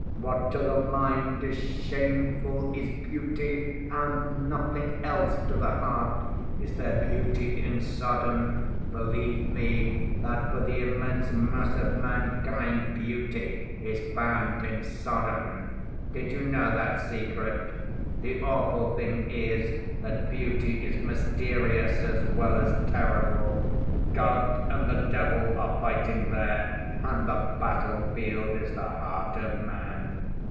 What to the mind is shameful is beauty and nothing else to the heart. Is there beauty in Sodom? Believe me, that for the immense mass of mankind beauty is found in Sodom. Did you know that secret? The awful thing is that beauty is mysterious as well as terrible. God and the devil are fighting there and the battlefield is the heart of man.